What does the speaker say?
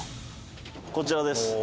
こちらです。